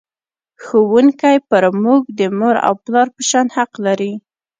ښوونکی پر موږ د مور او پلار په شان حق لري.